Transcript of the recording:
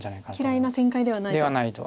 嫌いな展開ではないと。